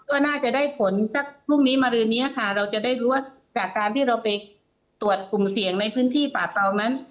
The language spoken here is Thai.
ก็น่าจะได้ผลสักพรุ่งนี้มารืนนี้ค่ะเราจะได้รู้ว่าจากการที่เราไปตรวจกลุ่มเสี่ยงในพื้นที่ป่าเตานั้น